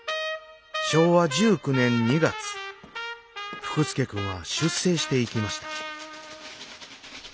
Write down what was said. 昭和１９年２月福助君は出征していきました。